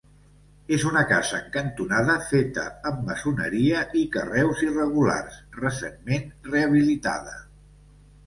És una casa en cantonada feta amb maçoneria i carreus irregulars, recentment rehabilitada.